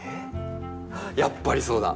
やっぱりそうだ。